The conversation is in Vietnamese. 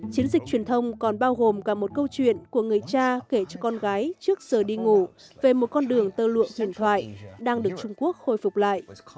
chiến dịch truyền thông còn bao gồm cả một câu chuyện của người cha kể cho con gái trước giờ đi ngủ về một con đường tơ lụa huyền thoại đang được trung quốc khôi phục lại